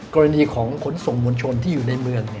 กรณีของขนส่งมวลชนที่อยู่ในเมือง